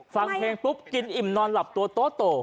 ฟังเพลงปุ๊บกินอิ่มนอนหลับตัวโต